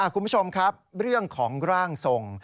คุณผู้ชมครับเรื่องของร่างทรง